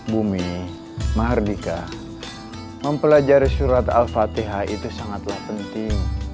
bumi mardika mempelajari surat al fatihah itu sangatlah penting